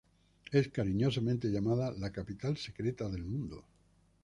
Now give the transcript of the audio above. Es cariñosamente llamada "La capital secreta del mundo".